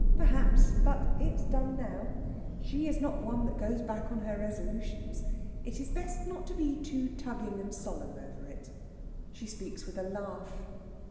Perhaps. But it's done now. She is not one that goes back on her resolutions. It is best not to be too tugging and solemn over it. She speaks with a laugh.